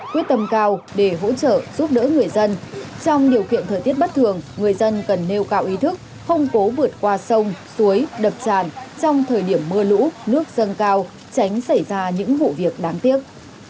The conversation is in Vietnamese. quyết tâm cao để hỗ trợ giúp đỡ người dân trong điều kiện thời tiết bất thường người dân cần nêu cao ý thức không cố vượt qua sông suối đập tràn trong thời điểm mưa lũ nước dâng cao tránh xảy ra những vụ việc đáng tiếc